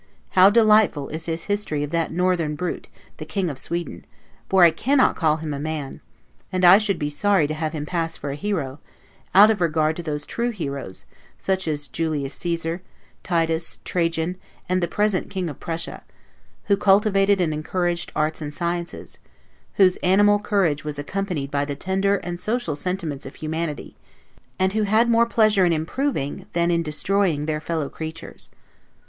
How delightful is his history of that northern brute, the King of Sweden, for I cannot call him a man; and I should be sorry to have him pass for a hero, out of regard to those true heroes, such as Julius Caesar, Titus, Trajan, and the present King of Prussia, who cultivated and encouraged arts and sciences; whose animal courage was accompanied by the tender and social sentiments of humanity; and who had more pleasure in improving, than in destroying their fellow creatures.